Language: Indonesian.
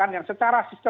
di unusual that